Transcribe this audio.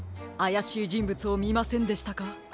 あやしいじんぶつをみませんでしたか？